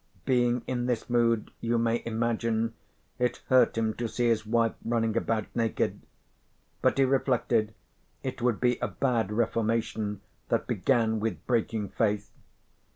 Being in this mood you may imagine it hurt him to see his wife running about naked, but he reflected it would be a bad reformation that began with breaking faith.